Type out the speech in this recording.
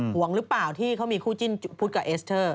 ห่วงหรือเปล่าที่เขามีคู่จิ้นพุทธกับเอสเตอร์